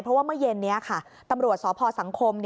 เพราะว่าเมื่อเย็นนี้ค่ะตำรวจสพสังคม